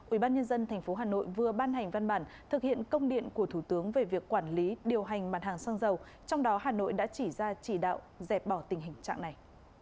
ubnd tp hà nội vừa ban hành văn bản thực hiện công điện của thủ tướng về việc quản lý điều hành mặt hàng xăng dầu trong đó hà nội đã chỉ ra chỉ đạo dẹp bỏ tình hình trạng này